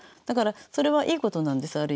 だからそれはいいことなんです